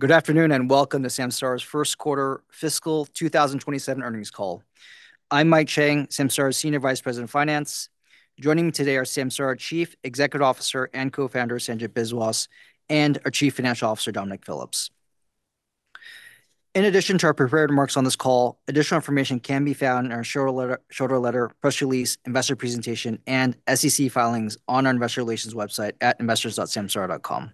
Good afternoon, and welcome to Samsara's Q1 Fiscal 2027 Earnings Call. I'm Mike Chang, Samsara's Senior Vice President of Finance. Joining me today are Samsara Chief Executive Officer and Co-founder, Sanjit Biswas, and our Chief Financial Officer, Dominic Phillips. In addition to our prepared remarks on this call, additional information can be found in our shareholder letter, press release, investor presentation, and SEC filings on our investor relations website at investors.samsara.com.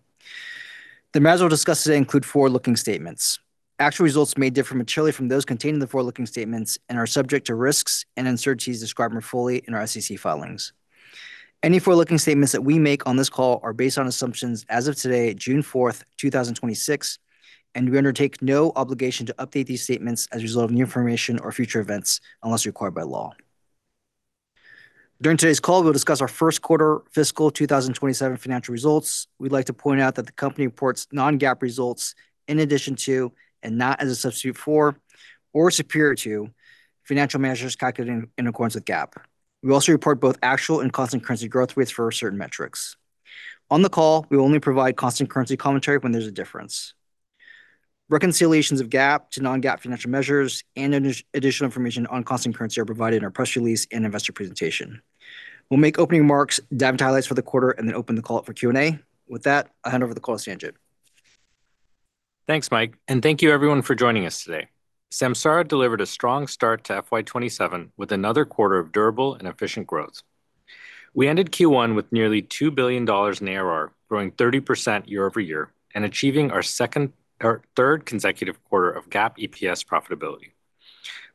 The measures we'll discuss today include forward-looking statements. Actual results may differ materially from those contained in the forward-looking statements and are subject to risks and uncertainties described more fully in our SEC filings. Any forward-looking statements that we make on this call are based on assumptions as of today, June 4th, 2026, and we undertake no obligation to update these statements as a result of new information or future events, unless required by law. During today's call, we'll discuss our Q1 Fiscal 2027 Financial Results. We'd like to point out that the company reports non-GAAP results in addition to, and not as a substitute for, or superior to, financial measures calculated in accordance with GAAP. We also report both actual and constant currency growth rates for certain metrics. On the call, we will only provide constant currency commentary when there's a difference. Reconciliations of GAAP to non-GAAP financial measures and additional information on constant currency are provided in our press release and investor presentation. We'll make opening remarks, dive into highlights for the quarter, then open the call up for Q&A. With that, I'll hand over the call to Sanjit. Thanks, Mike, and thank you everyone for joining us today. Samsara delivered a strong start to FY 2027, with another quarter of durable and efficient growth. We ended Q1 with nearly $2 billion in ARR, growing 30% year-over-year, and achieving our third consecutive quarter of GAAP EPS profitability.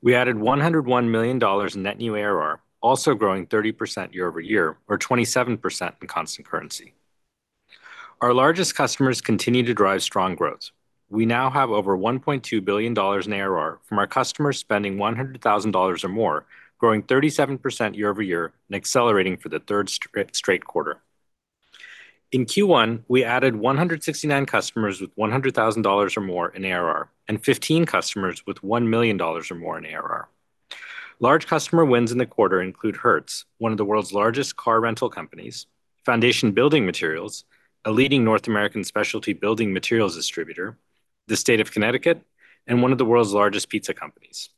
We added $101 million in net new ARR, also growing 30% year-over-year, or 27% in constant currency. Our largest customers continue to drive strong growth. We now have over $1.2 billion in ARR from our customers spending $100,000 or more, growing 37% year-over-year and accelerating for the third straight quarter. In Q1, we added 169 customers with $100,000 or more in ARR and 15 customers with $1 million or more in ARR. Large customer wins in the quarter include Hertz, one of the world's largest car rental companies, Foundation Building Materials, a leading North American specialty building materials distributor, the State of Connecticut, and one of the world's largest pizza companies.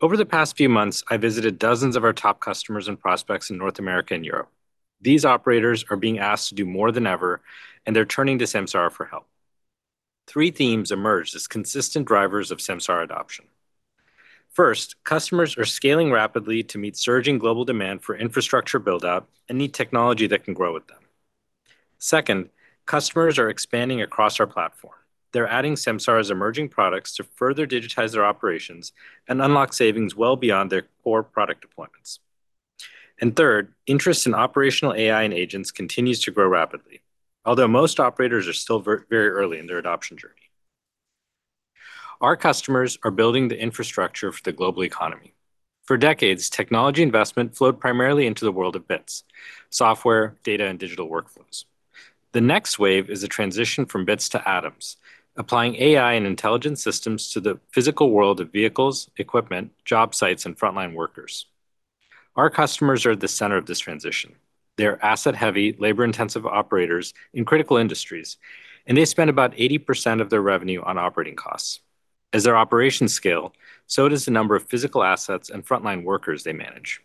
Over the past few months, I visited dozens of our top customers and prospects in North America and Europe. These operators are being asked to do more than ever, and they're turning to Samsara for help. Three themes emerged as consistent drivers of Samsara adoption. First, customers are scaling rapidly to meet surging global demand for infrastructure build-out and need technology that can grow with them. Second, customers are expanding across our platform. They're adding Samsara's emerging products to further digitize their operations and unlock savings well beyond their core product deployments. Third, interest in operational AI and agents continues to grow rapidly. Although most operators are still very early in their adoption journey. Our customers are building the infrastructure for the global economy. For decades, technology investment flowed primarily into the world of bits, software, data, and digital workflows. The next wave is a transition from bits to atoms, applying AI and intelligent systems to the physical world of vehicles, equipment, job sites, and frontline workers. Our customers are at the center of this transition. They're asset-heavy, labor-intensive operators in critical industries, and they spend about 80% of their revenue on operating costs. As their operations scale, so does the number of physical assets and frontline workers they manage.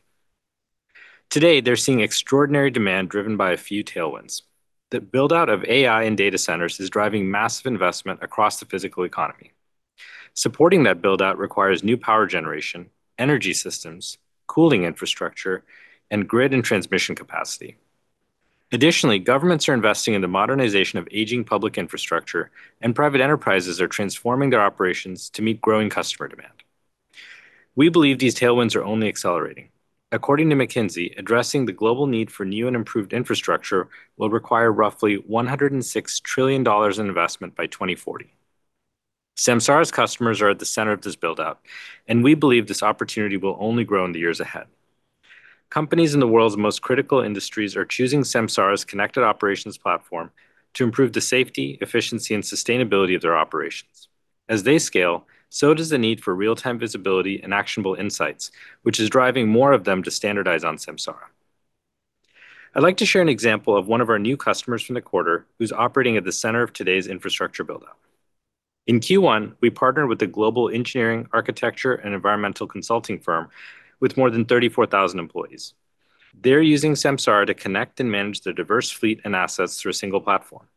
Today, they're seeing extraordinary demand driven by a few tailwinds. The build-out of AI and data centers is driving massive investment across the physical economy. Supporting that build-out requires new power generation, energy systems, cooling infrastructure, and grid and transmission capacity. Additionally, governments are investing in the modernization of aging public infrastructure, and private enterprises are transforming their operations to meet growing customer demand. We believe these tailwinds are only accelerating. According to McKinsey, addressing the global need for new and improved infrastructure will require roughly $106 trillion in investment by 2040. Samsara's customers are at the center of this build-out, and we believe this opportunity will only grow in the years ahead. Companies in the world's most critical industries are choosing Samsara's Connected Operations Platform to improve the safety, efficiency, and sustainability of their operations. As they scale, so does the need for real-time visibility and actionable insights, which is driving more of them to standardize on Samsara. I'd like to share an example of one of our new customers from the quarter who's operating at the center of today's infrastructure build-out. In Q1, we partnered with a global engineering, architecture, and environmental consulting firm with more than 34,000 employees. They're using Samsara to connect and manage their diverse fleet and assets through a single platform.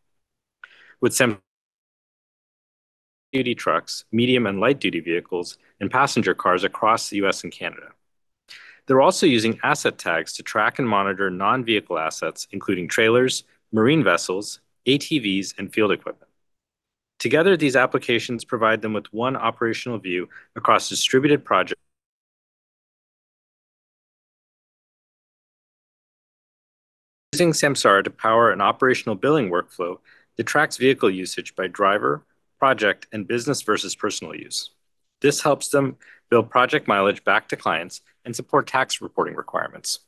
With duty trucks, medium and light-duty vehicles, and passenger cars across the U.S. and Canada. They're also using Asset Tags to track and monitor non-vehicle assets, including trailers, marine vessels, ATVs, and field equipment. Together, these applications provide them with one operational view across distributed project. Using Samsara to power an operational billing workflow that tracks vehicle usage by driver, project, and business versus personal use. This helps them bill project mileage back to clients and support tax reporting requirements.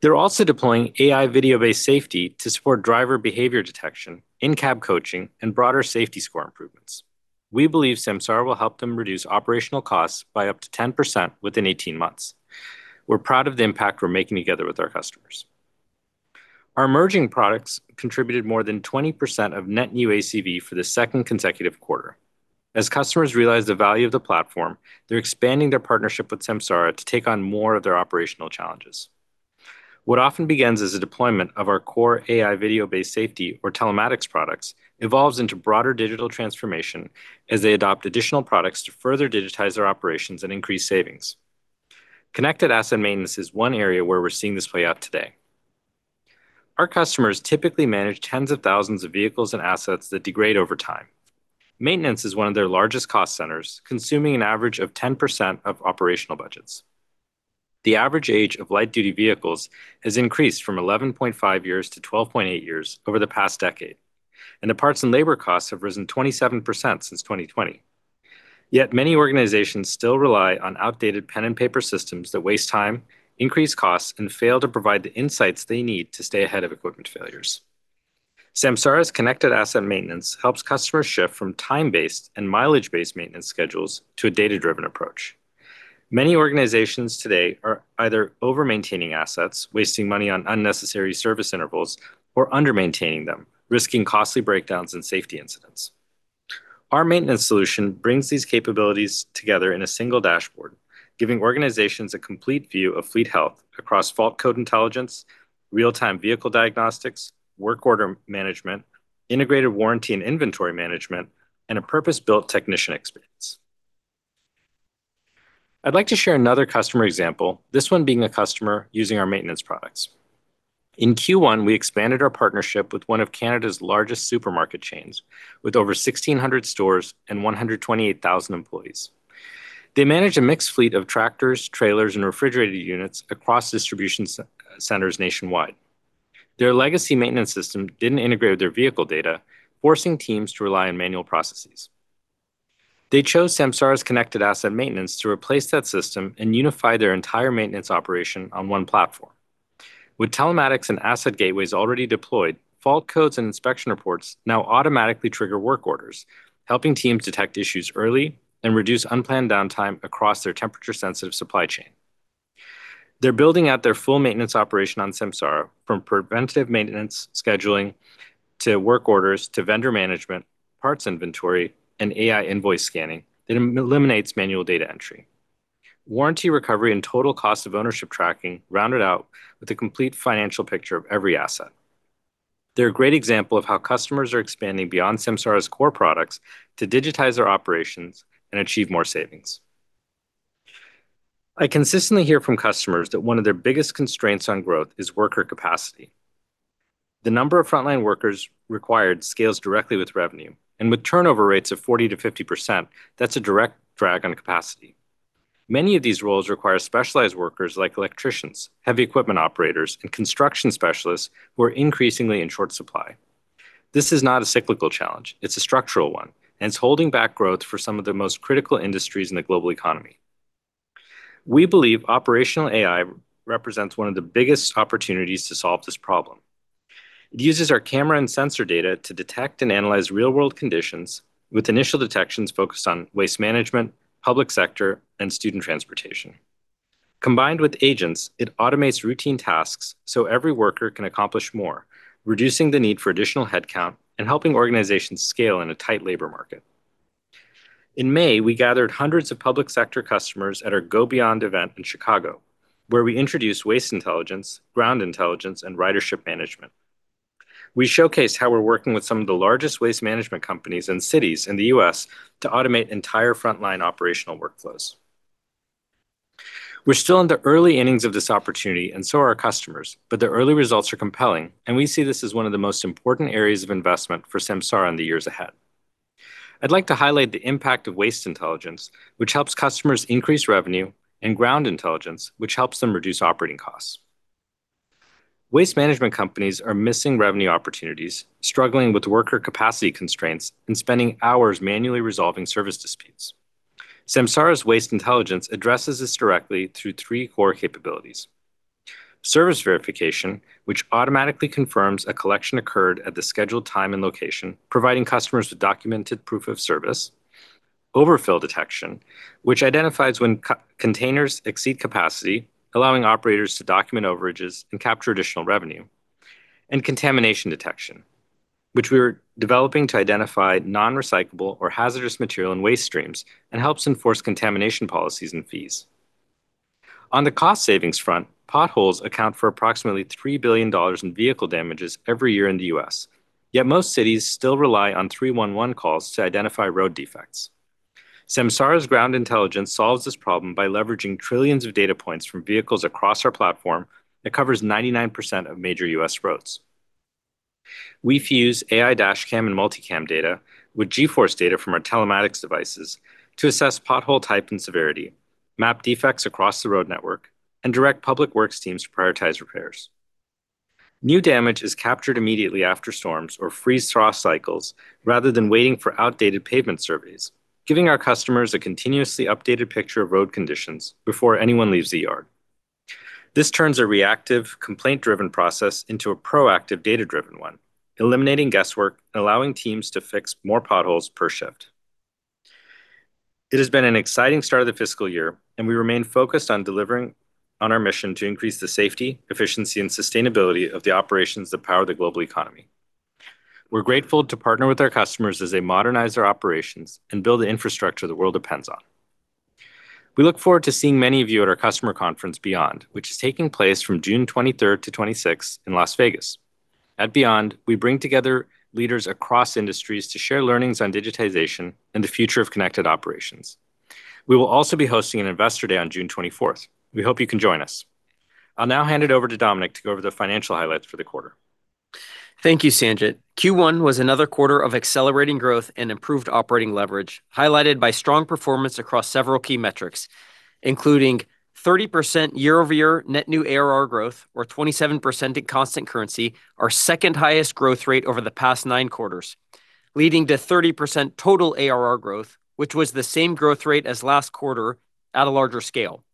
They're also deploying AI video-based safety to support driver behavior detection, in-cab coaching, and broader safety score improvements. We believe Samsara will help them reduce operational costs by up to 10% within 18 months. We're proud of the impact we're making together with our customers. Our emerging products contributed more than 20% of net new ACV for the second consecutive quarter. As customers realize the value of the platform, they're expanding their partnership with Samsara to take on more of their operational challenges. What often begins as a deployment of our core AI video-based safety or telematics products, evolves into broader digital transformation as they adopt additional products to further digitize their operations and increase savings. Connected asset maintenance is one area where we're seeing this play out today. Our customers typically manage tens of thousands of vehicles and assets that degrade over time. Maintenance is one of their largest cost centers, consuming an average of 10% of operational budgets. The average age of light-duty vehicles has increased from 11.5 years to 12.8 years over the past decade, and the parts and labor costs have risen 27% since 2020. Many organizations still rely on outdated pen and paper systems that waste time, increase costs, and fail to provide the insights they need to stay ahead of equipment failures. Samsara's Connected Asset Maintenance helps customers shift from time-based and mileage-based maintenance schedules to a data-driven approach. Many organizations today are either over-maintaining assets, wasting money on unnecessary service intervals, or under-maintaining them, risking costly breakdowns and safety incidents. Our maintenance solution brings these capabilities together in a single dashboard, giving organizations a complete view of fleet health across fault code intelligence, real-time vehicle diagnostics, work order management, integrated warranty and inventory management, and a purpose-built technician experience. I'd like to share another customer example, this one being a customer using our maintenance products. In Q1, we expanded our partnership with one of Canada's largest supermarket chains, with over 1,600 stores and 128,000 employees. They manage a mixed fleet of tractors, trailers, and refrigerated units across distribution centers nationwide. Their legacy maintenance system didn't integrate with their vehicle data, forcing teams to rely on manual processes. They chose Samsara's Connected Asset Maintenance to replace that system and unify their entire maintenance operation on one platform. With telematics and Asset Gateways already deployed, fault codes and inspection reports now automatically trigger work orders, helping teams detect issues early and reduce unplanned downtime across their temperature-sensitive supply chain. They're building out their full maintenance operation on Samsara, from preventive maintenance scheduling to work orders, to vendor management, parts inventory, and AI invoice scanning that eliminates manual data entry. Warranty recovery and total cost of ownership tracking round it out with a complete financial picture of every asset. They're a great example of how customers are expanding beyond Samsara's core products to digitize their operations and achieve more savings. I consistently hear from customers that one of their biggest constraints on growth is worker capacity. The number of frontline workers required scales directly with revenue, and with turnover rates of 40%-50%, that's a direct drag on capacity. Many of these roles require specialized workers like electricians, heavy equipment operators, and construction specialists, who are increasingly in short supply. This is not a cyclical challenge. It's a structural one, and it's holding back growth for some of the most critical industries in the global economy. We believe operational AI represents one of the biggest opportunities to solve this problem. It uses our camera and sensor data to detect and analyze real-world conditions, with initial detections focused on waste management, public sector, and student transportation. Combined with agents, it automates routine tasks so every worker can accomplish more, reducing the need for additional headcount and helping organizations scale in a tight labor market. In May, we gathered hundreds of public sector customers at our Go Beyond event in Chicago, where we introduced Waste Intelligence, Ground Intelligence, and Ridership Management. We showcased how we're working with some of the largest waste management companies and cities in the U.S. to automate entire frontline operational workflows. We're still in the early innings of this opportunity and so are customers, but the early results are compelling, and we see this as one of the most important areas of investment for Samsara in the years ahead. I'd like to highlight the impact of Waste Intelligence, which helps customers increase revenue, and Ground Intelligence, which helps them reduce operating costs. Waste management companies are missing revenue opportunities, struggling with worker capacity constraints, and spending hours manually resolving service disputes. Samsara's Waste Intelligence addresses this directly through three core capabilities. Service verification, which automatically confirms a collection occurred at the scheduled time and location, providing customers with documented proof of service. Overfill detection, which identifies when containers exceed capacity, allowing operators to document overages and capture additional revenue. Contamination detection, which we are developing to identify non-recyclable or hazardous material in waste streams and helps enforce contamination policies and fees. On the cost savings front, potholes account for approximately $3 billion in vehicle damages every year in the U.S. Yet most cities still rely on 311 calls to identify road defects. Samsara's Ground Intelligence solves this problem by leveraging trillions of data points from vehicles across our platform that covers 99% of major U.S. roads. We fuse AI dashcam and multicam data with G-Force data from our telematics devices to assess pothole type and severity, map defects across the road network, and direct public works teams to prioritize repairs. New damage is captured immediately after storms or freeze-thaw cycles rather than waiting for outdated pavement surveys, giving our customers a continuously updated picture of road conditions before anyone leaves the yard. This turns a reactive, complaint-driven process into a proactive, data-driven one, eliminating guesswork and allowing teams to fix more potholes per shift. It has been an exciting start of the FY, and we remain focused on delivering on our mission to increase the safety, efficiency, and sustainability of the operations that power the global economy. We're grateful to partner with our customers as they modernize their operations and build the infrastructure the world depends on. We look forward to seeing many of you at our customer conference, Beyond, which is taking place from June 23rd to 26th in Las Vegas. At Beyond, we bring together leaders across industries to share learnings on digitization and the future of connected operations. We will also be hosting an investor day on June 24th. We hope you can join us. I'll now hand it over to Dominic to go over the financial highlights for the quarter. Thank you, Sanjit. Q1 was another quarter of accelerating growth and improved operating leverage, highlighted by strong performance across several key metrics, including 30% year-over-year net new ARR growth or 27% in constant currency, our second highest growth rate over the past nine quarters, leading to 30% total ARR growth, which was the same growth rate as last quarter at a larger scale.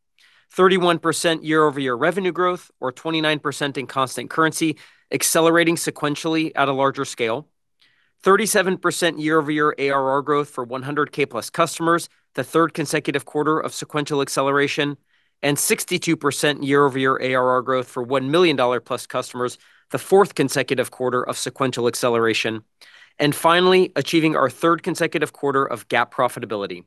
31% year-over-year revenue growth or 29% in constant currency, accelerating sequentially at a larger scale. 37% year-over-year ARR growth for 100K-plus customers, the third consecutive quarter of sequential acceleration, 62% year-over-year ARR growth for $1 million-plus customers, the fourth consecutive quarter of sequential acceleration. Finally, achieving our third consecutive quarter of GAAP profitability.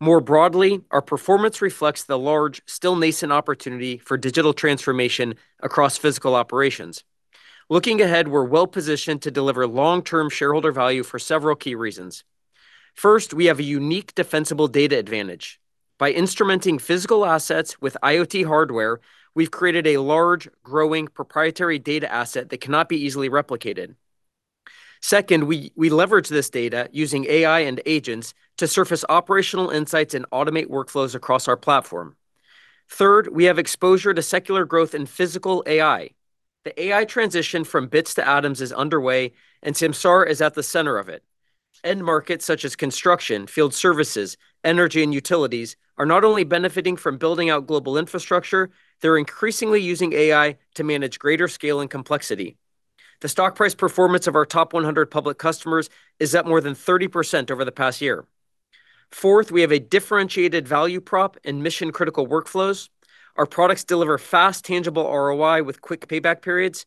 More broadly, our performance reflects the large, still nascent opportunity for digital transformation across physical operations. Looking ahead, we're well-positioned to deliver long-term shareholder value for several key reasons. First, we have a unique defensible data advantage. By instrumenting physical assets with IoT hardware, we've created a large, growing proprietary data asset that cannot be easily replicated. Second, we leverage this data using AI and agents to surface operational insights and automate workflows across our platform. Third, we have exposure to secular growth in physical AI. The AI transition from bits to atoms is underway. Samsara is at the center of it. End markets such as construction, field services, energy, and utilities are not only benefiting from building out global infrastructure, they're increasingly using AI to manage greater scale and complexity. The stock price performance of our top 100 public customers is at more than 30% over the past year. Fourth, we have a differentiated value prop and mission-critical workflows. Our products deliver fast tangible ROI with quick payback periods.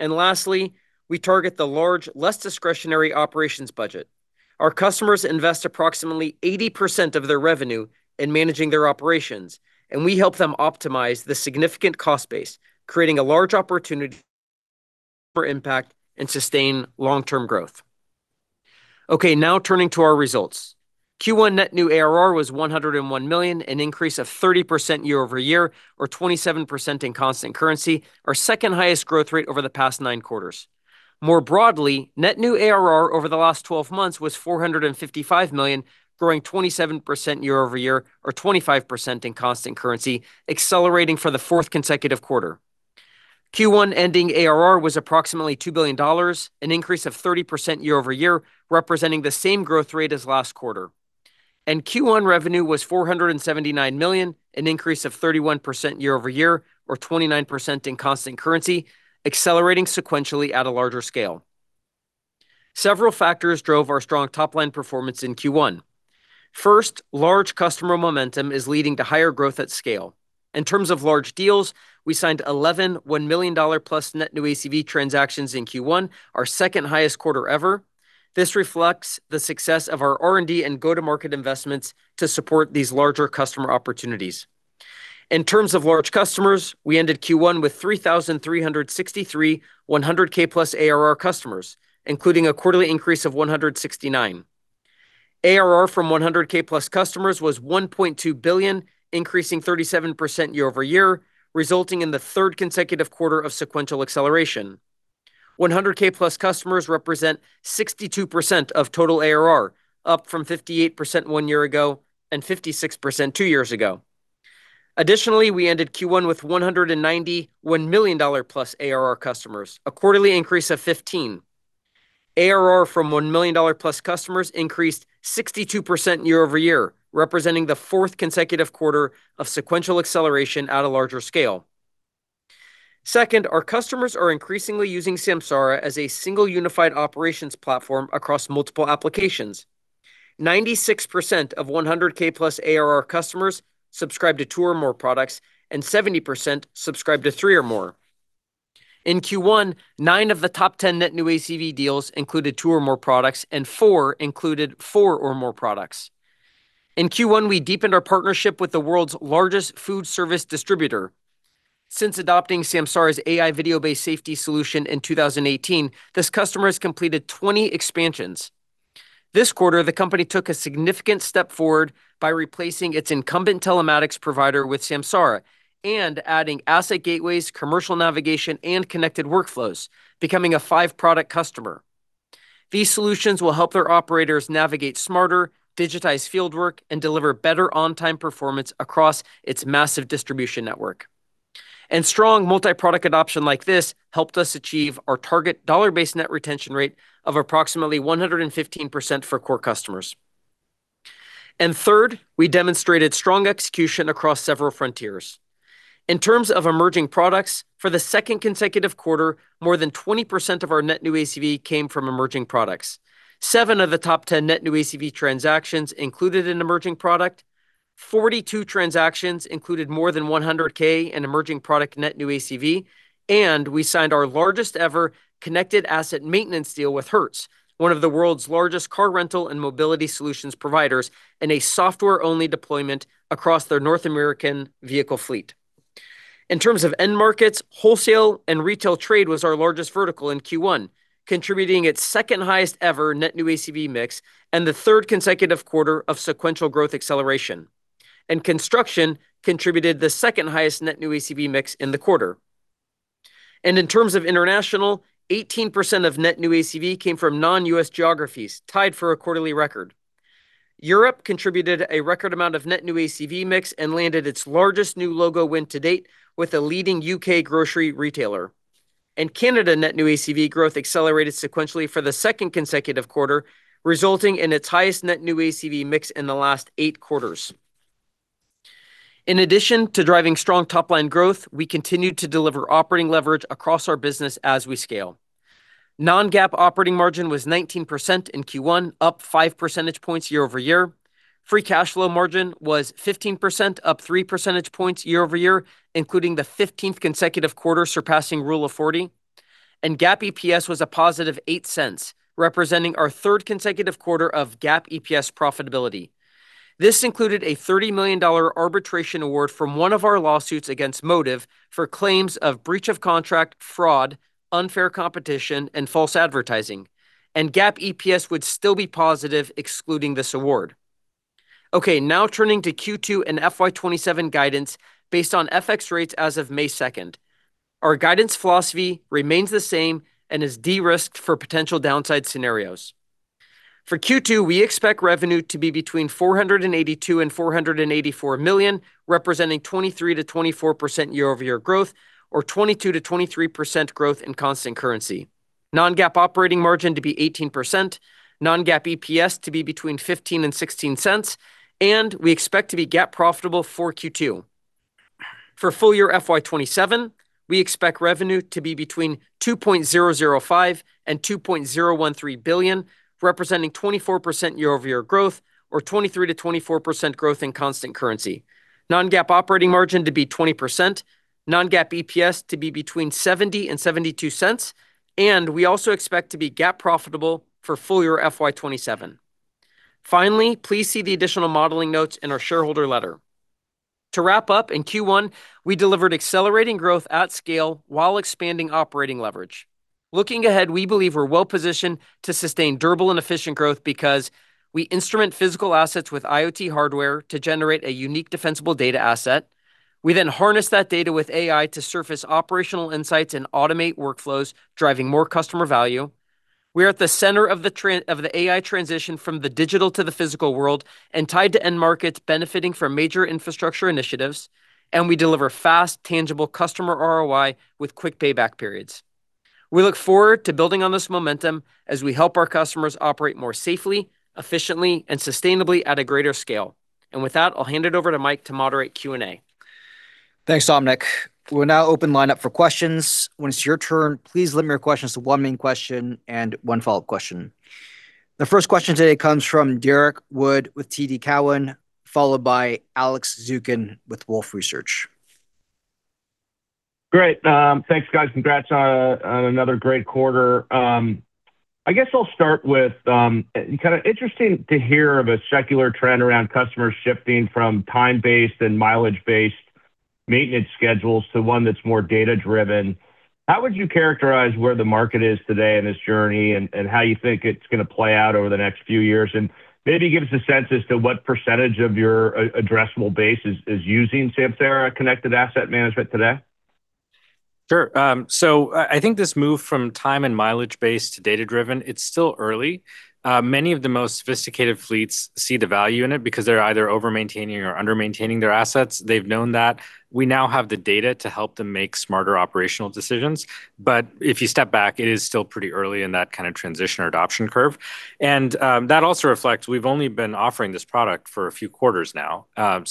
Lastly, we target the large, less discretionary operations budget. Our customers invest approximately 80% of their revenue in managing their operations, we help them optimize the significant cost base, creating a large opportunity for impact and sustain long-term growth. Okay. Turning to our results. Q1 net new ARR was $101 million, an increase of 30% year-over-year or 27% in constant currency, our second highest growth rate over the past nine quarters. More broadly, net new ARR over the last 12 months was $455 million, growing 27% year-over-year or 25% in constant currency, accelerating for the fourth consecutive quarter. Q1 ending ARR was approximately $2 billion, an increase of 30% year-over-year, representing the same growth rate as last quarter. Q1 revenue was $479 million, an increase of 31% year-over-year or 29% in constant currency, accelerating sequentially at a larger scale. Several factors drove our strong top-line performance in Q1. First, large customer momentum is leading to higher growth at scale. In terms of large deals, we signed 11 $1 million-plus net new ACV transactions in Q1, our second highest quarter ever. This reflects the success of our R&D and go-to-market investments to support these larger customer opportunities. In terms of large customers, we ended Q1 with 3,363 100K-plus ARR customers, including a quarterly increase of 169. ARR from 100K-plus customers was $1.2 billion, increasing 37% year-over-year, resulting in the third consecutive quarter of sequential acceleration. 100K-plus customers represent 62% of total ARR, up from 58% one year ago and 56% two years ago. Additionally, we ended Q1 with 190 $1 million-plus ARR customers, a quarterly increase of 15. ARR from $1 million-plus customers increased 62% year-over-year, representing the fourth consecutive quarter of sequential acceleration at a larger scale. Second, our customers are increasingly using Samsara as a single unified operations platform across multiple applications. 96% of 100K-plus ARR customers subscribe to two or more products, and 70% subscribe to three or more. In Q1, nine of the top 10 net new ACV deals included two or more products, and four included four or more products. In Q1, we deepened our partnership with the world's largest food service distributor. Since adopting Samsara's AI video-based safety solution in 2018, this customer has completed 20 expansions. This quarter, the company took a significant step forward by replacing its incumbent telematics provider with Samsara and adding Asset Gateway, Commercial Navigation, and Connected Workflows, becoming a five-product customer. These solutions will help their operators navigate smarter, digitize fieldwork, and deliver better on-time performance across its massive distribution network. Strong multi-product adoption like this helped us achieve our target dollar-based net retention rate of approximately 115% for core customers. Third, we demonstrated strong execution across several frontiers. In terms of emerging products, for the second consecutive quarter, more than 20% of our net new ACV came from emerging products. Seven of the top 10 net new ACV transactions included an emerging product. 42 transactions included more than $100K in emerging product net new ACV. We signed our largest ever Connected Asset Maintenance deal with Hertz, one of the world's largest car rental and mobility solutions providers, in a software-only deployment across their North American vehicle fleet. In terms of end markets, wholesale and retail trade was our largest vertical in Q1, contributing its second-highest ever net new ACV mix and the third consecutive quarter of sequential growth acceleration. Construction contributed the second-highest net new ACV mix in the quarter. In terms of international, 18% of net new ACV came from non-U.S. geographies, tied for a quarterly record. Europe contributed a record amount of net new ACV mix and landed its largest new logo win to date with a leading U.K. grocery retailer. Canada net new ACV growth accelerated sequentially for the second consecutive quarter, resulting in its highest net new ACV mix in the last eight quarters. In addition to driving strong top-line growth, we continued to deliver operating leverage across our business as we scale. Non-GAAP operating margin was 19% in Q1, up five percentage points year-over-year. Free cash flow margin was 15%, up three percentage points year-over-year, including the 15th consecutive quarter surpassing rule of 40. GAAP EPS was a positive $0.08, representing our third consecutive quarter of GAAP EPS profitability. This included a $30 million arbitration award from one of our lawsuits against Motive for claims of breach of contract, fraud, unfair competition, and false advertising. GAAP EPS would still be positive excluding this award. Turning to Q2 and FY 2027 guidance based on FX rates as of May 2nd. Our guidance philosophy remains the same and is de-risked for potential downside scenarios. For Q2, we expect revenue to be between $482 million and $484 million, representing 23%-24% year-over-year growth, or 22%-23% growth in constant currency. Non-GAAP operating margin to be 18%, non-GAAP EPS to be between $0.15 and $0.16, and we expect to be GAAP profitable for Q2. For full year FY 2027, we expect revenue to be between $2.005 billion and $2.013 billion, representing 24% year-over-year growth or 23%-24% growth in constant currency. Non-GAAP operating margin to be 20%, non-GAAP EPS to be between $0.70 and $0.72, We also expect to be GAAP profitable for full year FY 2027. Finally, please see the additional modeling notes in our shareholder letter. To wrap up, in Q1, we delivered accelerating growth at scale while expanding operating leverage. Looking ahead, we believe we're well-positioned to sustain durable and efficient growth because we instrument physical assets with IoT hardware to generate a unique defensible data asset. We harness that data with AI to surface operational insights and automate workflows, driving more customer value. We are at the center of the AI transition from the digital to the physical world and tied to end markets benefiting from major infrastructure initiatives, and we deliver fast, tangible customer ROI with quick payback periods. We look forward to building on this momentum as we help our customers operate more safely, efficiently, and sustainably at a greater scale. With that, I'll hand it over to Mike to moderate Q&A. Thanks, Dominic. We'll now open the line up for questions. When it's your turn, please limit your questions to one main question and one follow-up question. The first question today comes from Derrick Wood with TD Cowen, followed by Alex Zukin with Wolfe Research. Great. Thanks, guys. Congrats on another great quarter. I guess I'll start with, kind of interesting to hear of a secular trend around customers shifting from time-based and mileage-based maintenance schedules to one that's more data-driven. How would you characterize where the market is today in this journey and how you think it's going to play out over the next few years? Maybe give us a sense as to what percentage of your addressable base is using Samsara Connected Asset Management today. Sure. I think this move from time and mileage-based to data-driven, it's still early. Many of the most sophisticated fleets see the value in it because they're either over-maintaining or under-maintaining their assets. They've known that. We now have the data to help them make smarter operational decisions. If you step back, it is still pretty early in that transition or adoption curve. That also reflects we've only been offering this product for a few quarters now.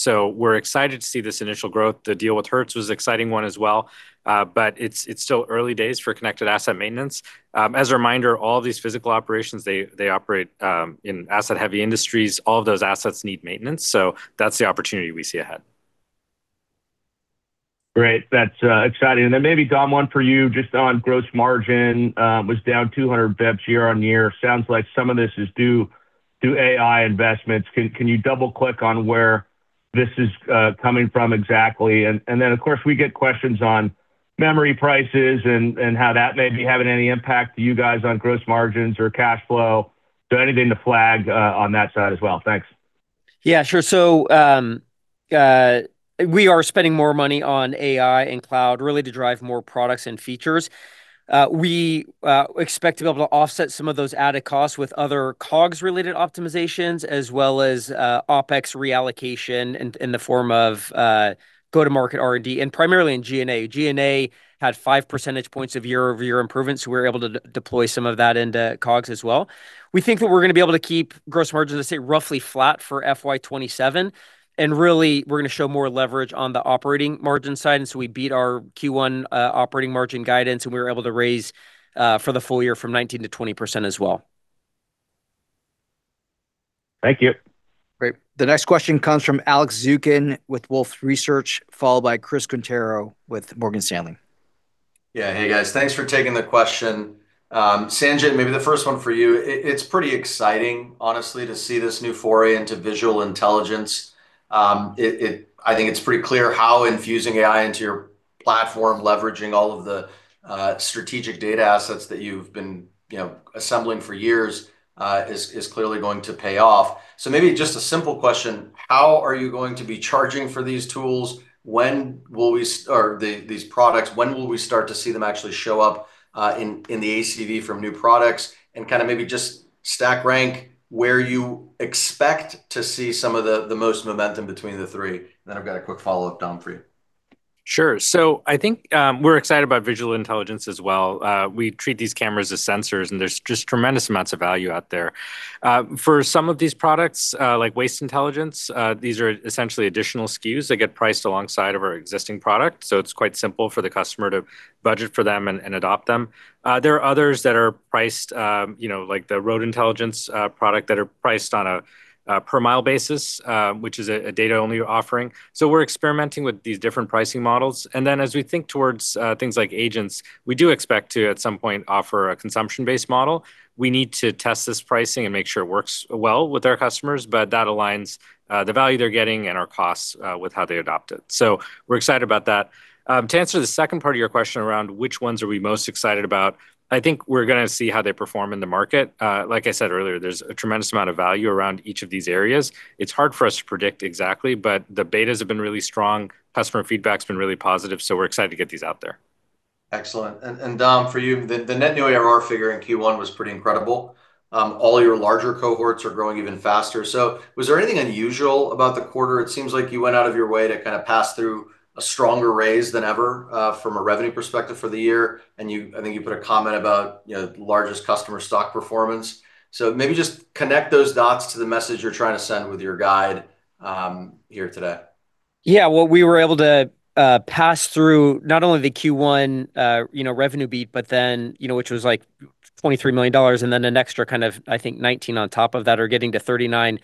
We're excited to see this initial growth. The deal with Hertz was an exciting one as well. It's still early days for Connected Asset Maintenance. As a reminder, all of these physical operations, they operate in asset-heavy industries. All of those assets need maintenance. That's the opportunity we see ahead. Great. That's exciting. Then maybe, Dom, one for you just on gross margin, was down 200 basis points year-over-year. Sounds like some of this is due to AI investments. Can you double-click on where this is coming from exactly? Then, of course, we get questions on memory prices and how that may be having any impact to you guys on gross margins or cash flow. Anything to flag on that side as well? Thanks. Yeah, sure. We are spending more money on AI and cloud really to drive more products and features. We expect to be able to offset some of those added costs with other COGS-related optimizations as well as OPEX reallocation in the form of go-to-market R&D, and primarily in G&A. G&A had five percentage points of year-over-year improvements. We were able to deploy some of that into COGS as well. We think that we're going to be able to keep gross margins, let's say, roughly flat for FY 2027. Really, we're going to show more leverage on the operating margin side. We beat our Q1 operating margin guidance, and we were able to raise for the full year from 19% to 20% as well. Thank you. Great. The next question comes from Alex Zukin with Wolfe Research, followed by Chris Quintero with Morgan Stanley. Yeah. Hey, guys. Thanks for taking the question. Sanjit, maybe the first one for you. It's pretty exciting, honestly, to see this new foray into visual intelligence. I think it's pretty clear how infusing AI into your platform, leveraging all of the strategic data assets that you've been assembling for years is clearly going to pay off. Maybe just a simple question, how are you going to be charging for these tools? These products, when will we start to see them actually show up in the ACV from new products? Kind of maybe just stack rank where you expect to see some of the most momentum between the three. I've got a quick follow-up, Dom, for you. Sure. I think we're excited about visual intelligence as well. We treat these cameras as sensors, and there's just tremendous amounts of value out there. For some of these products, like Waste Intelligence, these are essentially additional SKUs that get priced alongside of our existing product. It's quite simple for the customer to budget for them and adopt them. There are others, like the Ground Intelligence product, that are priced on a per mile basis, which is a data-only offering. We're experimenting with these different pricing models. Then as we think towards things like agents, we do expect to, at some point, offer a consumption-based model. We need to test this pricing and make sure it works well with our customers, but that aligns the value they're getting and our costs with how they adopt it. We're excited about that. To answer the second part of your question around which ones are we most excited about, I think we're going to see how they perform in the market. Like I said earlier, there's a tremendous amount of value around each of these areas. It's hard for us to predict exactly, but the betas have been really strong. Customer feedback's been really positive, so we're excited to get these out there. Excellent. Dom, for you, the net new ARR figure in Q1 was pretty incredible. All your larger cohorts are growing even faster. Was there anything unusual about the quarter? It seems like you went out of your way to kind of pass through a stronger raise than ever, from a revenue perspective, for the year. I think you put a comment about largest customer stock performance. Maybe just connect those dots to the message you're trying to send with your guide here today. Yeah. Well, we were able to pass through not only the Q1 revenue beat, which was like $23 million, and then an extra kind of, I think $19 on top of that or getting to $39 for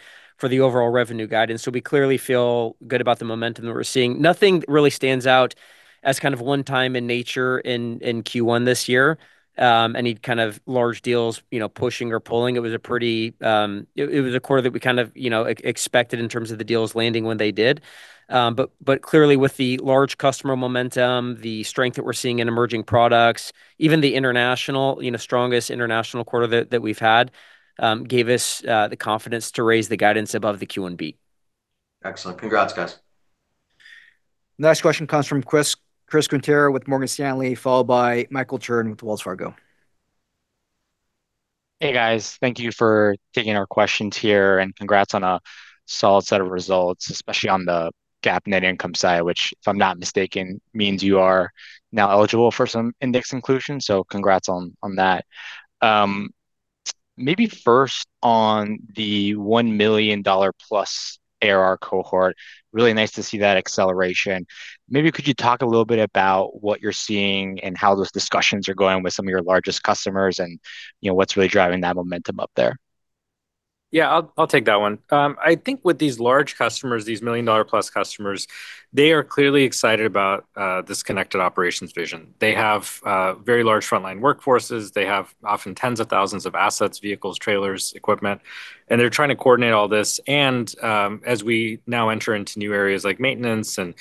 the overall revenue guidance. We clearly feel good about the momentum that we're seeing. Nothing really stands out as kind of one time in nature in Q1 this year, any kind of large deals pushing or pulling. It was a quarter that we kind of expected in terms of the deals landing when they did. Clearly with the large customer momentum, the strength that we're seeing in emerging products, even the strongest international quarter that we've had, gave us the confidence to raise the guidance above the Q1 beat. Excellent. Congrats, guys. Next question comes from Chris Quintero with Morgan Stanley, followed by Michael Turrin with Wells Fargo. Hey, guys. Thank you for taking our questions here. Congrats on a solid set of results, especially on the GAAP net income side, which, if I'm not mistaken, means you are now eligible for some index inclusion. Congrats on that. First on the $1 million-plus ARR cohort, really nice to see that acceleration. Could you talk a little bit about what you're seeing and how those discussions are going with some of your largest customers and what's really driving that momentum up there? Yeah, I'll take that one. I think with these large customers, these $1 million-plus customers, they are clearly excited about this connected operations vision. They have very large frontline workforces. They have often tens of thousands of assets, vehicles, trailers, equipment. They're trying to coordinate all this. As we now enter into new areas like maintenance and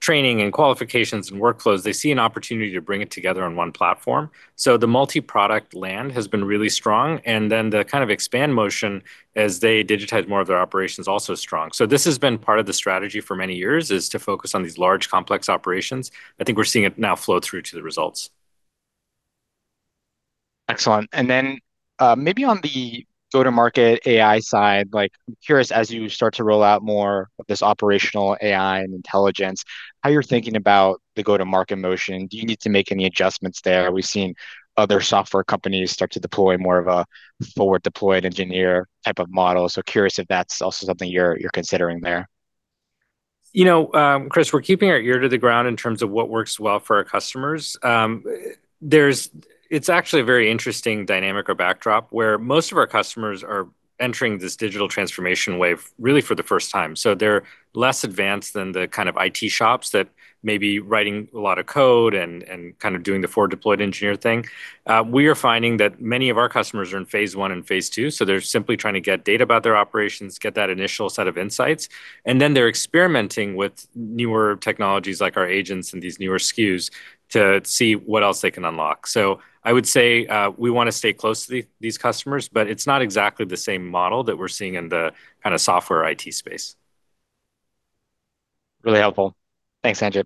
training and qualifications and workflows, they see an opportunity to bring it together on one platform. The multi-product land has been really strong, and then the kind of expand motion as they digitize more of their operations, also strong. This has been part of the strategy for many years, is to focus on these large, complex operations. I think we're seeing it now flow through to the results. Excellent. Then maybe on the go-to-market AI side, I'm curious, as you start to roll out more of this operational AI and intelligence, how you're thinking about the go-to-market motion. Do you need to make any adjustments there? We've seen other software companies start to deploy more of a forward deployed engineer type of model. Curious if that's also something you're considering there? Chris, we're keeping our ear to the ground in terms of what works well for our customers. It's actually a very interesting dynamic or backdrop where most of our customers are entering this digital transformation wave really for the first time. They're less advanced than the kind of IT shops that may be writing a lot of code and kind of doing the forward deployed engineer thing. We are finding that many of our customers are in phase I and phase II, so they're simply trying to get data about their operations, get that initial set of insights, and then they're experimenting with newer technologies like our agents and these newer SKUs to see what else they can unlock. I would say we want to stay close to these customers, but it's not exactly the same model that we're seeing in the kind of software IT space. Really helpful. Thanks, Sanjit.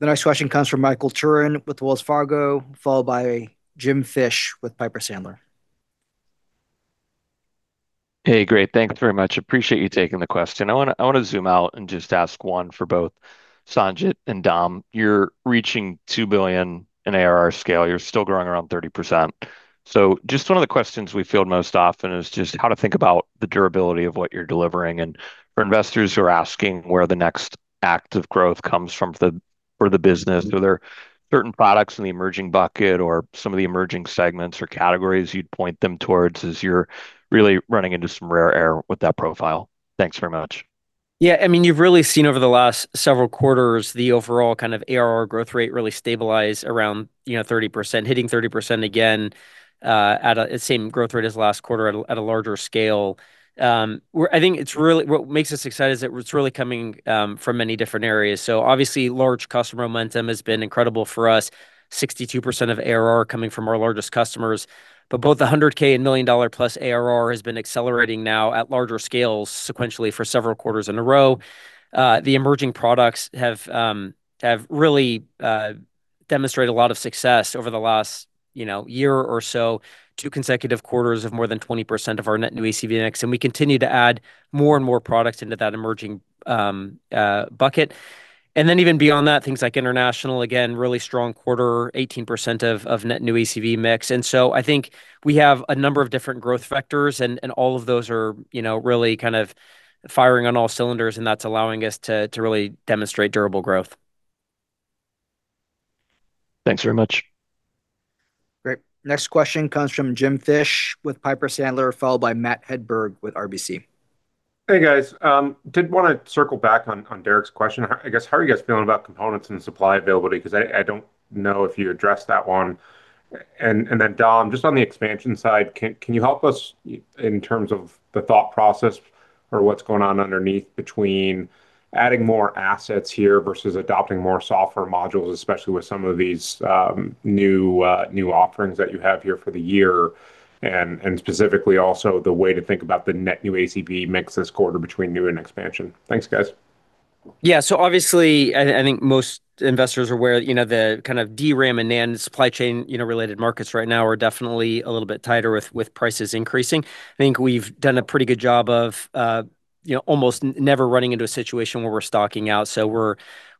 The next question comes from Michael Turrin with Wells Fargo, followed by James Fish with Piper Sandler. Hey, great. Thank you very much. Appreciate you taking the question. I want to zoom out and just ask one for both Sanjit and Dom. You're reaching $2 billion in ARR scale. You're still growing around 30%. Just one of the questions we field most often is just how to think about the durability of what you're delivering. For investors who are asking where the next act of growth comes from for the business. Are there certain products in the emerging bucket or some of the emerging segments or categories you'd point them towards as you're really running into some rare air with that profile? Thanks very much. Yeah, you've really seen over the last several quarters the overall kind of ARR growth rate really stabilize around 30%, hitting 30% again at the same growth rate as last quarter at a larger scale. What makes us excited is that it's really coming from many different areas. Obviously, large customer momentum has been incredible for us, 62% of ARR coming from our largest customers. Both the $100K and $1 million-plus ARR has been accelerating now at larger scales sequentially for several quarters in a row. The emerging products have really demonstrated a lot of success over the last year or so. Two consecutive quarters of more than 20% of our net new ACV mix, and we continue to add more and more products into that emerging bucket. Then even beyond that, things like international, again, really strong quarter, 18% of net new ACV mix. I think we have a number of different growth vectors and all of those are really kind of firing on all cylinders, and that's allowing us to really demonstrate durable growth. Thanks very much. Great. Next question comes from James Fish with Piper Sandler, followed by Matthew Hedberg with RBC. Hey, guys. Did want to circle back on Derrick's question. I guess, how are you guys feeling about components and supply availability? I don't know if you addressed that one. Dom, just on the expansion side, can you help us in terms of the thought process or what's going on underneath between adding more assets here versus adopting more software modules, especially with some of these new offerings that you have here for the year. Specifically also the way to think about the net new ACV mix this quarter between new and expansion. Thanks, guys. Yeah. Obviously, I think most investors are aware, the kind of DRAM and NAND supply chain related markets right now are definitely a little bit tighter with prices increasing. I think we've done a pretty good job of almost never running into a situation where we're stocking out.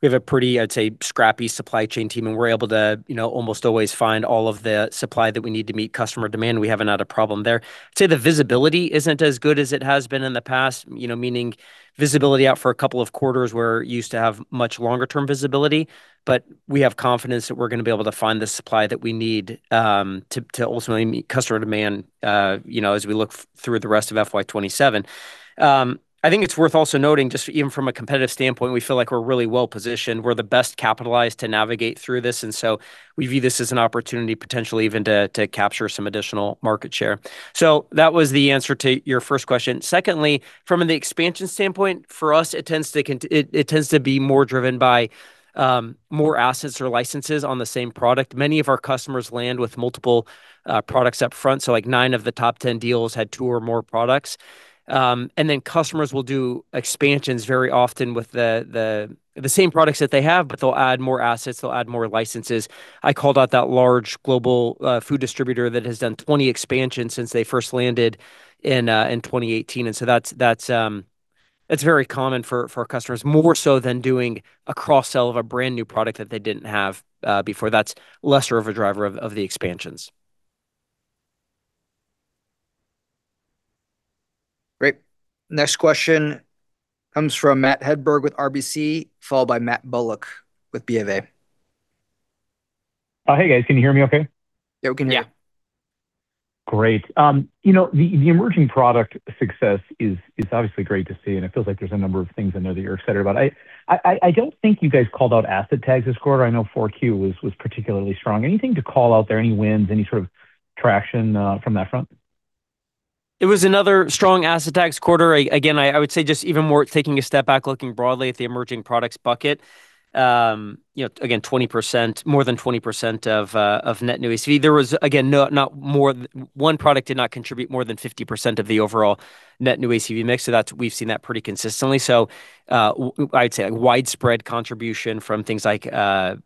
We have a pretty, I'd say, scrappy supply chain team, and we're able to almost always find all of the supply that we need to meet customer demand. We haven't had a problem there. I'd say the visibility isn't as good as it has been in the past, meaning visibility out for a couple of quarters, where it used to have much longer term visibility. We have confidence that we're going to be able to find the supply that we need to ultimately meet customer demand as we look through the rest of FY 2027. I think it's worth also noting, just even from a competitive standpoint, we feel like we're really well-positioned. We're the best capitalized to navigate through this. We view this as an opportunity potentially even to capture some additional market share. That was the answer to your first question. Secondly, from the expansion standpoint, for us, it tends to be more driven by more assets or licenses on the same product. Many of our customers land with multiple products up front, so nine of the top 10 deals had two or more products. Then customers will do expansions very often with the same products that they have, but they'll add more assets, they'll add more licenses. I called out that large global food distributor that has done 20 expansions since they first landed in 2018. That's very common for our customers, more so than doing a cross-sell of a brand-new product that they didn't have before. That's lesser of a driver of the expansions. Great. Next question comes from Matthew Hedberg with RBC, followed by Matthew Bullock with BofA. Oh, hey, guys. Can you hear me okay? Yeah, we can hear you. Yeah. Great. The emerging product success is obviously great to see, and it feels like there's a number of things in there that you're excited about. I don't think you guys called out Asset Tag this quarter. I know Q4 was particularly strong. Anything to call out there, any wins, any sort of traction from that front? It was another strong Asset Tag quarter. Again, I would say just even more taking a step back, looking broadly at the emerging products bucket. Again, more than 20% of net new ACV. One product did not contribute more than 50% of the overall net new ACV mix. We've seen that pretty consistently. I'd say a widespread contribution from things like AI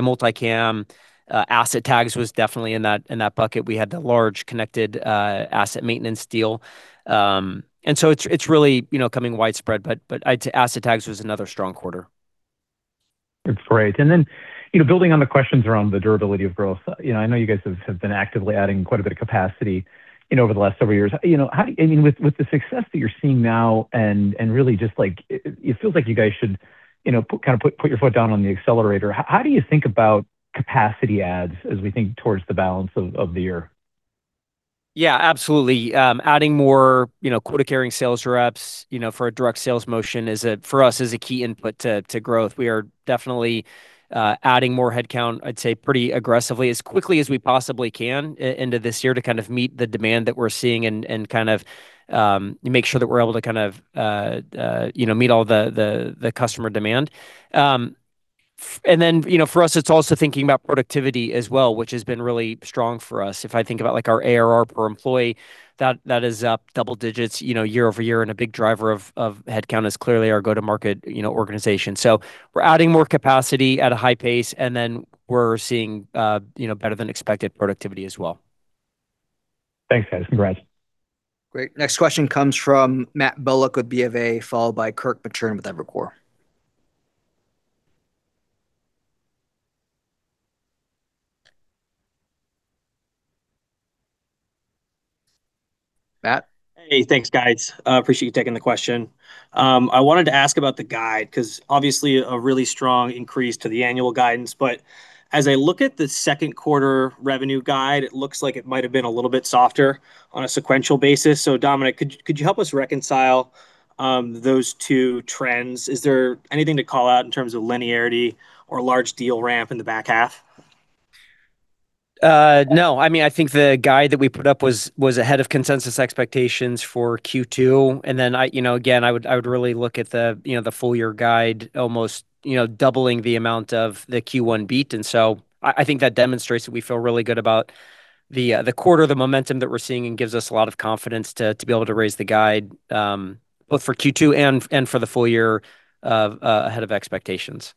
Multicam. Asset Tags was definitely in that bucket. We had the large Connected Asset Maintenance deal. It's really coming widespread. Asset Tag was another strong quarter. That's great. Then building on the questions around the durability of growth, I know you guys have been actively adding quite a bit of capacity over the last several years. With the success that you're seeing now, and really just, it feels like you guys should put your foot down on the accelerator. How do you think about capacity adds as we think towards the balance of the year? Yeah, absolutely. Adding more quota-carrying sales reps for a direct sales motion is, for us, is a key input to growth. We are definitely adding more headcount, I'd say pretty aggressively, as quickly as we possibly can into this year to meet the demand that we're seeing and make sure that we're able to meet all the customer demand. For us, it's also thinking about productivity as well, which has been really strong for us. If I think about our ARR per employee, that is up double digits year-over-year, and a big driver of headcount is clearly our go-to-market organization. We're adding more capacity at a high pace, and then we're seeing better than expected productivity as well. Thanks, guys. Congrats. Great. Next question comes from Matthew Bullock with BofA, followed by Kirk Materne with Evercore. Matt? Hey, thanks, guys. Appreciate you taking the question. I wanted to ask about the guide, because obviously a really strong increase to the annual guidance. As I look at the Q2 revenue guide, it looks like it might've been a little bit softer on a sequential basis. Dominic, could you help us reconcile those two trends? Is there anything to call out in terms of linearity or large deal ramp in the back half? No. I think the guide that we put up was ahead of consensus expectations for Q2. Again, I would really look at the full year guide almost doubling the amount of the Q1 beat. I think that demonstrates that we feel really good about the quarter, the momentum that we're seeing, and gives us a lot of confidence to be able to raise the guide, both for Q2 and for the full year ahead of expectations.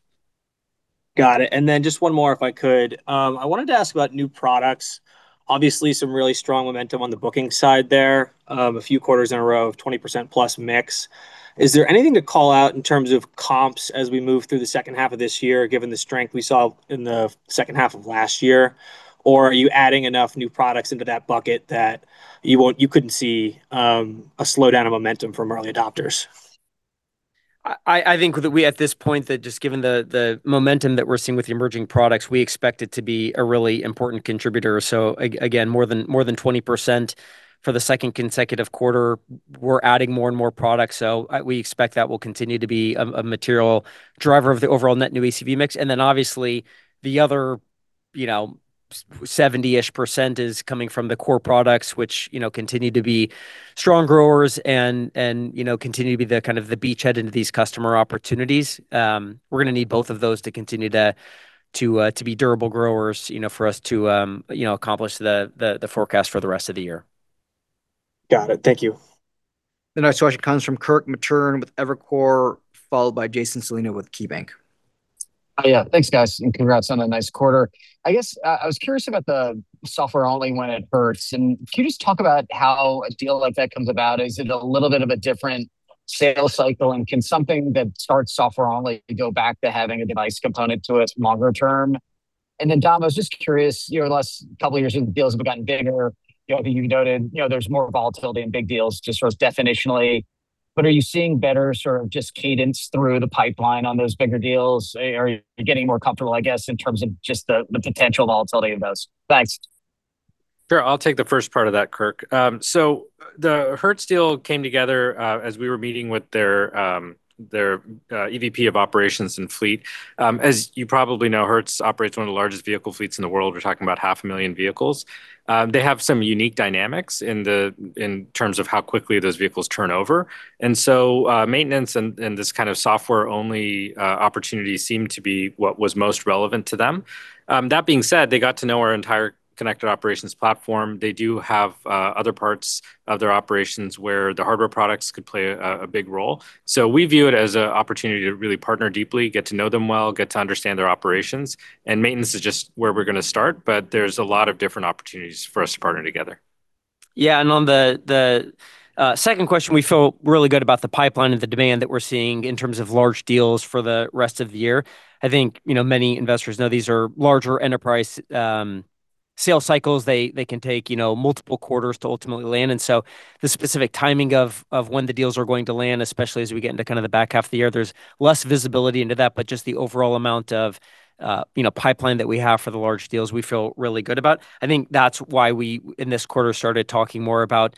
Got it. Just one more, if I could. I wanted to ask about new products. Obviously, some really strong momentum on the booking side there, a few quarters in a row of 20% plus mix. Is there anything to call out in terms of comps as we move through the second half of this year, given the strength we saw in the second half of last year? Are you adding enough new products into that bucket that you couldn't see a slowdown of momentum from early adopters? I think that we, at this point, that just given the momentum that we're seeing with the emerging products, we expect it to be a really important contributor. Again, more than 20% for the second consecutive quarter. We're adding more and more products, so we expect that will continue to be a material driver of the overall net new ACV mix. Obviously the other 70-ish% is coming from the core products, which continue to be strong growers and continue to be the beachhead into these customer opportunities. We're going to need both of those to continue to be durable growers for us to accomplish the forecast for the rest of the year. Got it. Thank you. The next question comes from Kirk Materne with Evercore, followed by Jason Celino with KeyBank. Yeah. Thanks, guys, and congrats on a nice quarter. I guess, I was curious about the software-only one at Hertz. Can you just talk about how a deal like that comes about? Is it a little bit of a different sales cycle, and can something that starts software-only go back to having a device component to it longer term? Then Dom, I was just curious, the last couple years the deals have gotten bigger. You noted there's more volatility in big deals just sort of definitionally. Are you seeing better sort of just cadence through the pipeline on those bigger deals? Are you getting more comfortable, I guess, in terms of just the potential volatility of those? Thanks. Sure. I'll take the first part of that, Kirk. The Hertz deal came together as we were meeting with their EVP of operations and fleet. As you probably know, Hertz operates one of the largest vehicle fleets in the world. We're talking about 500,000 vehicles. They have some unique dynamics in terms of how quickly those vehicles turn over. Maintenance and this kind of software-only opportunity seemed to be what was most relevant to them. That being said, they got to know our entire Connected Operations Platform. They do have other parts of their operations where the hardware products could play a big role. We view it as an opportunity to really partner deeply, get to know them well, get to understand their operations, and maintenance is just where we're going to start. There's a lot of different opportunities for us to partner together. On the second question, we feel really good about the pipeline and the demand that we're seeing in terms of large deals for the rest of the year. Many investors know these are larger enterprise sales cycles. They can take multiple quarters to ultimately land. The specific timing of when the deals are going to land, especially as we get into kind of the back half of the year, there's less visibility into that, but just the overall amount of pipeline that we have for the large deals we feel really good about. That's why we, in this quarter, started talking more about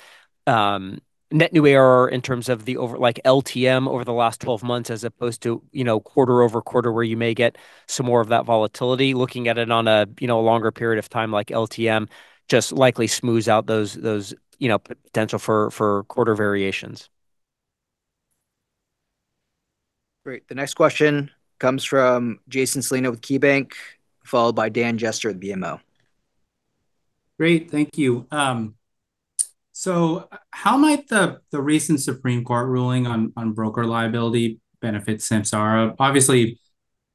net new ARR in terms of the LTM over the last 12 months, as opposed to quarter-over-quarter where you may get some more of that volatility. Looking at it on a longer period of time, like LTM, just likely smooths out those potential for quarter variations. Great. The next question comes from Jason Celino with KeyBank, followed by Daniel Jester at BMO. Great. Thank you. How might the recent Supreme Court ruling on broker liability benefit Samsara? Obviously,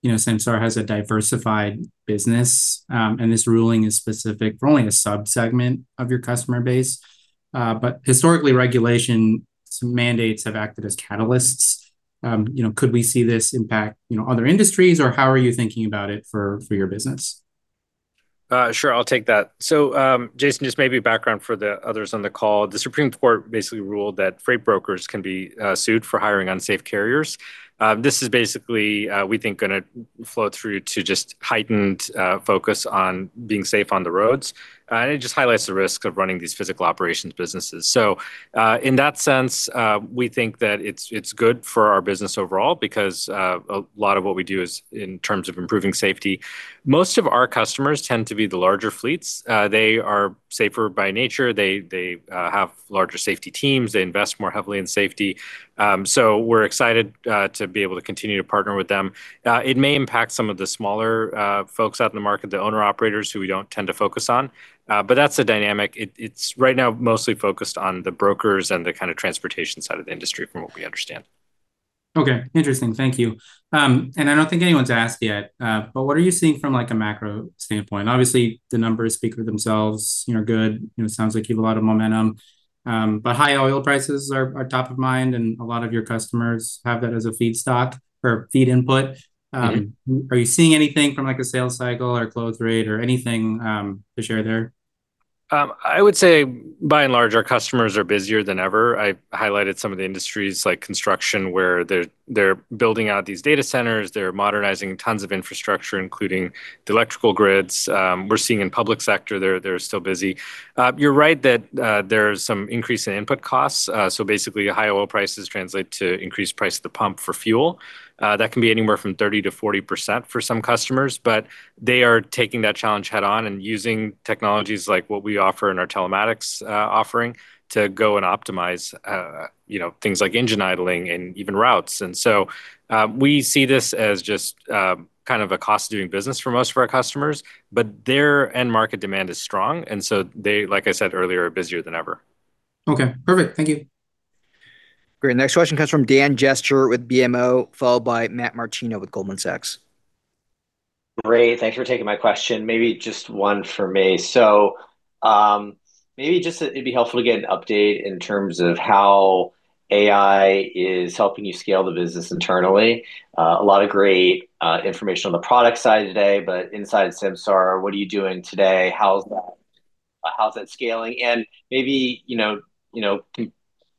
Samsara has a diversified business. This ruling is specific for only a sub-segment of your customer base. Historically, regulation mandates have acted as catalysts. Could we see this impact other industries, or how are you thinking about it for your business? Sure. I'll take that. Jason, just maybe background for the others on the call. The Supreme Court basically ruled that freight brokers can be sued for hiring unsafe carriers. This is basically, we think, going to flow through to just heightened focus on being safe on the roads. It just highlights the risk of running these physical operations businesses. In that sense, we think that it's good for our business overall because a lot of what we do is in terms of improving safety. Most of our customers tend to be the larger fleets. They are safer by nature. They have larger safety teams. They invest more heavily in safety. We're excited to be able to continue to partner with them. It may impact some of the smaller folks out in the market, the owner-operators who we don't tend to focus on. That's the dynamic. It's right now mostly focused on the brokers and the kind of transportation side of the industry from what we understand. Okay, interesting. Thank you. I don't think anyone's asked yet, but what are you seeing from, like, a macro standpoint? Obviously, the numbers speak for themselves, good. It sounds like you have a lot of momentum. High oil prices are top of mind, and a lot of your customers have that as a feedstock or feed input. Are you seeing anything from, like, a sales cycle or close rate or anything to share there? I would say by and large, our customers are busier than ever. I highlighted some of the industries like construction, where they're building out these data centers. They're modernizing tons of infrastructure, including the electrical grids. We're seeing in public sector they're still busy. You're right that there's some increase in input costs. Basically, high oil prices translate to increased price at the pump for fuel. That can be anywhere from 30%-40% for some customers, but they are taking that challenge head on and using technologies like what we offer in our telematics offering to go and optimize things like engine idling and even routes. We see this as just a cost of doing business for most of our customers. Their end market demand is strong, and so they, like I said earlier, are busier than ever. Okay, perfect. Thank you. Great. Next question comes from Dan Jester with BMO, followed by Matthew Martino with Goldman Sachs. Ray, thanks for taking my question. Maybe just one for me. Maybe just it'd be helpful to get an update in terms of how AI is helping you scale the business internally. A lot of great information on the product side today. Inside Samsara, what are you doing today? How's that scaling? Maybe, with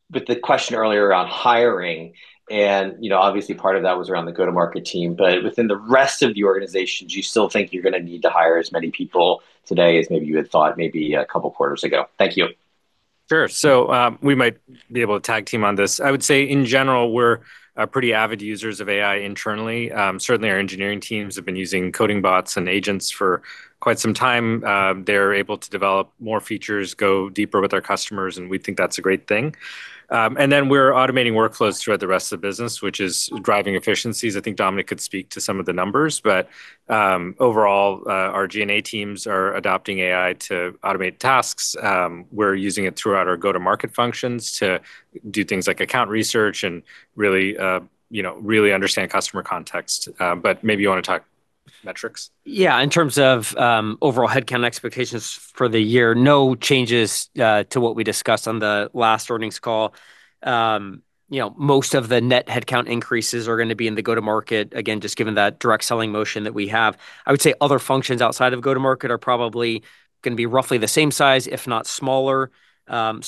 the question earlier around hiring and, obviously part of that was around the go-to-market team, within the rest of the organizations, do you still think you're going to need to hire as many people today as maybe you had thought maybe a couple quarters ago? Thank you. Sure. We might be able to tag team on this. I would say in general, we're pretty avid users of AI internally. Certainly, our engineering teams have been using coding bots and agents for quite some time. They're able to develop more features, go deeper with our customers, and we think that's a great thing. We're automating workflows throughout the rest of the business, which is driving efficiencies. I think Dominic could speak to some of the numbers, but, overall, our G&A teams are adopting AI to automate tasks. We're using it throughout our go-to-market functions to do things like account research and really understand customer context. Maybe you want to talk metrics. Yeah. In terms of overall headcount expectations for the year, no changes to what we discussed on the last earnings call. Most of the net headcount increases are going to be in the go-to-market, again, just given that direct selling motion that we have. I would say other functions outside of go-to-market are probably going to be roughly the same size, if not smaller.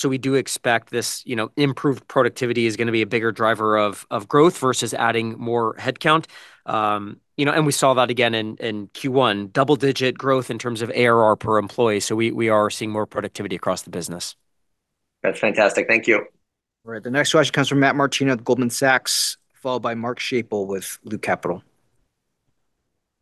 We do expect this improved productivity is going to be a bigger driver of growth versus adding more headcount. We saw that again in Q1, double-digit growth in terms of ARR per employee. We are seeing more productivity across the business. That's fantastic. Thank you. All right. The next question comes from Matthew Martino at Goldman Sachs, followed by Mark Schappel with Loop Capital.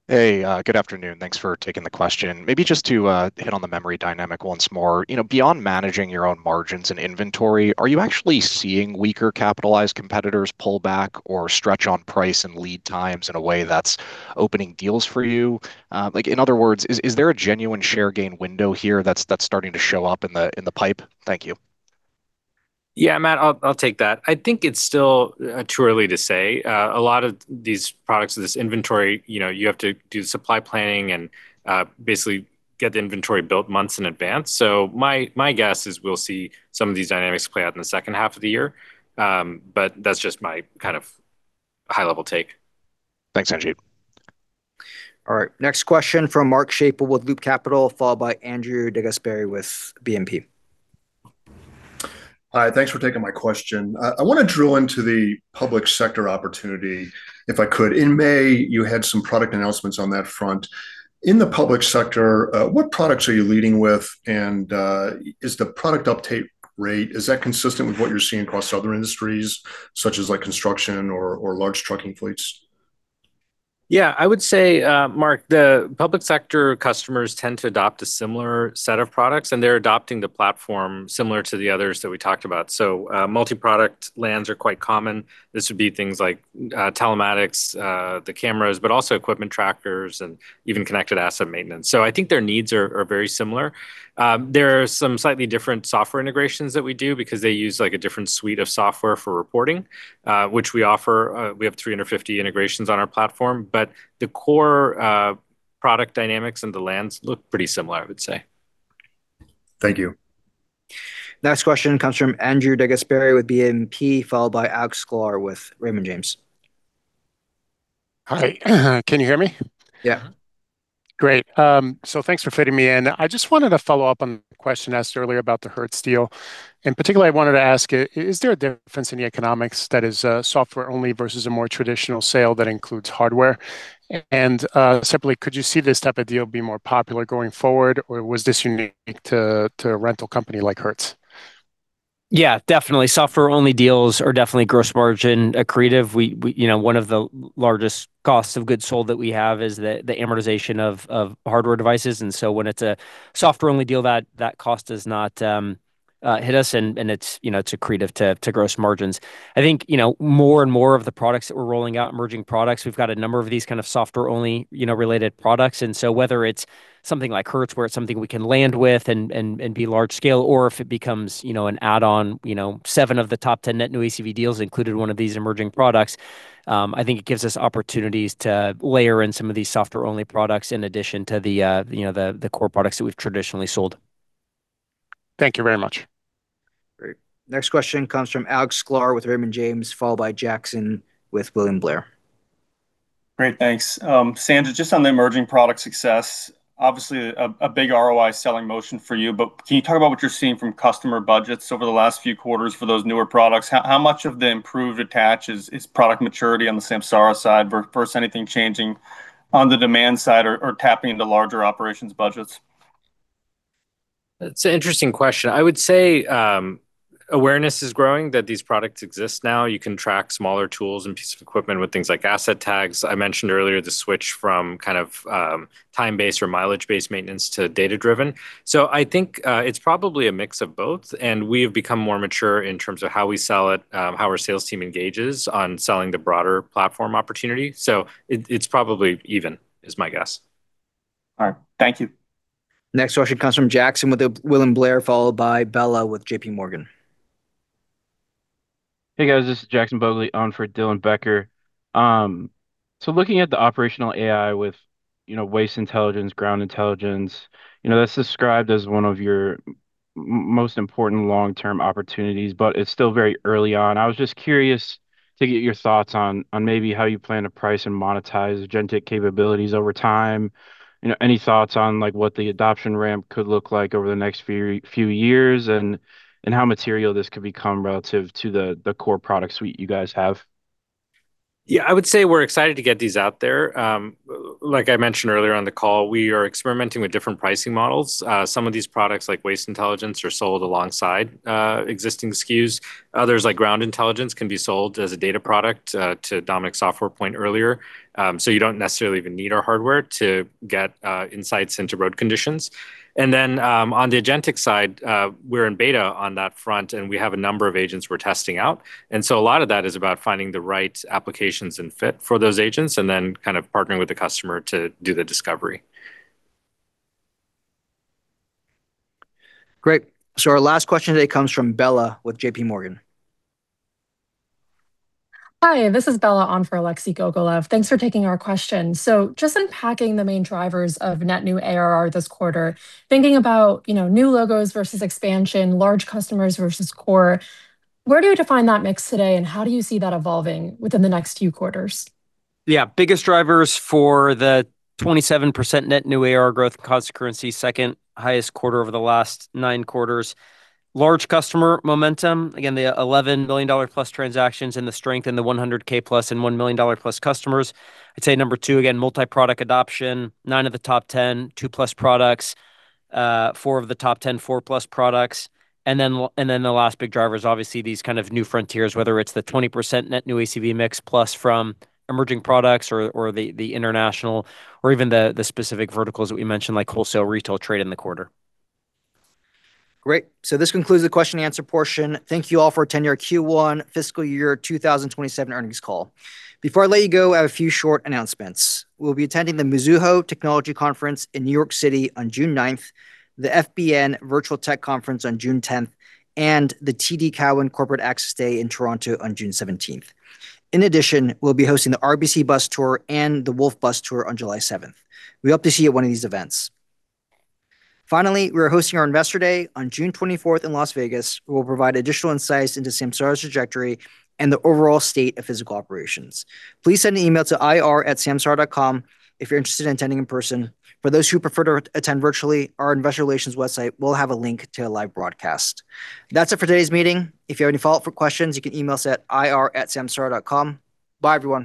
Hey, good afternoon. Thanks for taking the question. Maybe just to hit on the memory dynamic once more. Beyond managing your own margins and inventory, are you actually seeing weaker capitalized competitors pull back or stretch on price and lead times in a way that's opening deals for you? In other words, is there a genuine share gain window here that's starting to show up in the pipe? Thank you. Yeah, Matt, I'll take that. I think it's still too early to say. A lot of these products, this inventory, you have to do supply planning and basically get the inventory built months in advance. My guess is we'll see some of these dynamics play out in the second half of the year. That's just my high-level take. Thanks, Sanjit. All right. Next question from Mark Schappel with Loop Capital, followed by Andrew DeGasperi with BNP. Hi. Thanks for taking my question. I want to drill into the public sector opportunity, if I could. In May, you had some product announcements on that front. In the public sector, what products are you leading with? Is the product uptake rate consistent with what you're seeing across other industries, such as construction or large trucking fleets? Yeah. I would say, Mark, the public sector customers tend to adopt a similar set of products, and they're adopting the platform similar to the others that we talked about. Multi-product lands are quite common. This would be things like telematics, the cameras, but also equipment tractors and even Connected Asset Maintenance. I think their needs are very similar. There are some slightly different software integrations that we do because they use a different suite of software for reporting, which we offer. We have 350 integrations on our platform. The core product dynamics and the lands look pretty similar, I would say. Thank you. Next question comes from Andrew DeGasperi with BNP, followed by Alex Sklar with Raymond James. Hi. Can you hear me? Yeah. Great. Thanks for fitting me in. I just wanted to follow up on the question asked earlier about the Hertz deal. In particular, I wanted to ask, is there a difference in the economics that is software only versus a more traditional sale that includes hardware? Separately, could you see this type of deal be more popular going forward, or was this unique to a rental company like Hertz? Yeah, definitely. Software-only deals are definitely gross margin accretive. One of the largest costs of goods sold that we have is the amortization of hardware devices. When it's a software-only deal, that cost does not hit us and it's accretive to gross margins. I think, more and more of the products that we're rolling out, emerging products, we've got a number of these kind of software-only related products. Whether it's something like Hertz, where it's something we can land with and be large scale, or if it becomes an add-on, seven of the top 10 net new ACV deals included one of these emerging products. I think it gives us opportunities to layer in some of these software-only products in addition to the core products that we've traditionally sold. Thank you very much. Great. Next question comes from Alex Sklar with Raymond James, followed by Jackson with William Blair. Great. Thanks. Sanjit, just on the emerging product success, obviously a big ROI selling motion for you. Can you talk about what you're seeing from customer budgets over the last few quarters for those newer products? How much of the improved attach is product maturity on the Samsara side versus anything changing on the demand side or tapping into larger operations budgets? That's an interesting question. I would say, awareness is growing that these products exist now. You can track smaller tools and pieces of equipment with things like Asset Tag. I mentioned earlier the switch from kind of, time-based or mileage-based maintenance to data-driven. I think, it's probably a mix of both, and we have become more mature in terms of how we sell it, how our sales team engages on selling the broader platform opportunity. It's probably even, is my guess. All right. Thank you. Next question comes from Jackson with William Blair, followed by Bella with JPMorgan. Hey, guys. This is Jackson Bogli on for Dylan Becker. Looking at the operational AI with, Waste Intelligence, Ground Intelligence, that's described as one of your most important long-term opportunities, but it's still very early on. I was just curious to get your thoughts on maybe how you plan to price and monetize agentic capabilities over time. You know, any thoughts on, like, what the adoption ramp could look like over the next few years and how material this could become relative to the core product suite you guys have? Yeah. I would say we're excited to get these out there. Like I mentioned earlier on the call, we are experimenting with different pricing models. Some of these products, like Waste Intelligence, are sold alongside existing SKUs. Others, like Ground Intelligence, can be sold as a data product to Dominic's software point earlier. You don't necessarily even need our hardware to get insights into road conditions. On the agentic side, we're in beta on that front, we have a number of agents we're testing out. A lot of that is about finding the right applications and fit for those agents and then kind of partnering with the customer to do the discovery. Great. Our last question today comes from Bella with JPMorgan. Hi, this is Bella on for Alexei Gogolev. Thanks for taking our question. Just unpacking the main drivers of net new ARR this quarter, thinking about, you know, new logos versus expansion, large customers versus core, where do you define that mix today, and how do you see that evolving within the next few quarters? Yeah. Biggest drivers for the 27% net new ARR growth and constant currency, second-highest quarter over the last nine quarters. Large customer momentum, again, the $11 million+ transactions and the strength in the $100K+ and $1 million+ customers. I'd say number 2, again, multiproduct adoption, nine of the top 10, 2+ products, four of the top 10, 4+ products. The last big driver is obviously these kind of new frontiers, whether it's the 20% net new ACV mix+ from emerging products or the international or even the specific verticals that we mentioned, like wholesale, retail, trade in the quarter. Great. This concludes the question and answer portion. Thank you all for attending our Q1 FY 2027 Earnings Call. Before I let you go, I have a few short announcements. We'll be attending the Mizuho Technology Conference in New York City on June 9th, the FBN Virtual Tech Conference on June 10th, and the TD Cowen Corporate Access Day in Toronto on June 17th. In addition, we'll be hosting the RBC Bus Tour and the Wolfe Bus Tour on July 7th. We hope to see you at one of these events. Finally, we are hosting our Investor Day on June 24th in Las Vegas, where we'll provide additional insights into Samsara's trajectory and the overall state of physical operations. Please send an email to ir@samsara.com if you're interested in attending in person. For those who prefer to attend virtually, our investor relations website will have a link to a live broadcast. That is it for today's meeting. If you have any follow-up questions, you can email us at ir@samsara.com. Bye, everyone.